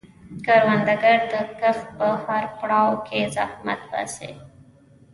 کروندګر د کښت په هر پړاو کې زحمت باسي